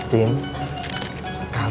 cah mand atual